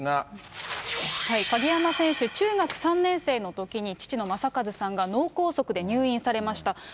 鍵山選手、中学３年生のときに、父の正和さんが脳梗塞で入院されました。